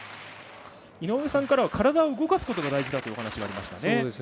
井上さんからは体を動かすことが大事だというお話がありましたね。